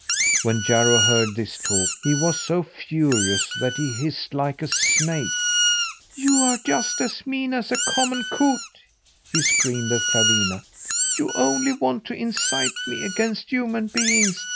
When Jarro heard this talk he was so furious that he hissed like a snake. "You are just as mean as a common coot!" he screamed at Clawina. "You only want to incite me against human beings.